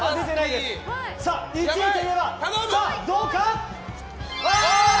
１位といえば、どうか！